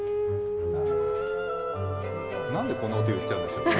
なんでこんな音、言っちゃうんですかね。